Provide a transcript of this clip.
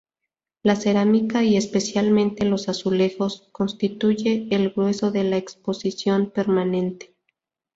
La cerámica, y especialmente los azulejos, constituye el grueso de la exposición permanente.